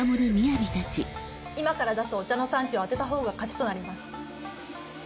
今から出すお茶の産地を当てたほうが勝ちとなります。